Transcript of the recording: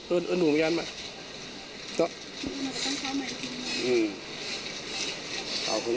มีสัญญาณอะไรแบบนั้น